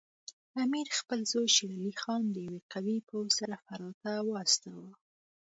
امیر خپل زوی شیر علي خان د یوه قوي پوځ سره فراه ته واستاوه.